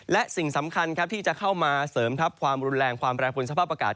และสิ่งสำคัญครับที่จะเข้ามาเสริมทัพความรุนแรงความแปรผลสภาพอากาศ